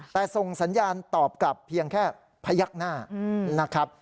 แต่ส่งสัญญาณตอบกับเพียงแค่พยักหน้า